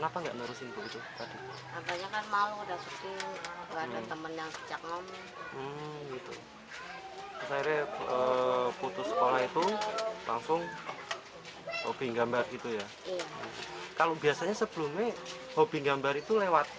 pembelian biasa terus alatnya